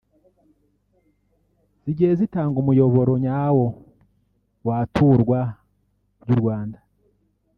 zagiye zitanga umuyoboro nyawo waturwa ry’u Rwanda